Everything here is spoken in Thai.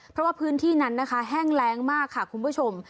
เพราะว่าพื้นที่นั้นนะคะแห้งแรงมากค่ะคุณผู้ชม